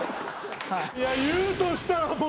いや言うとしたら僕。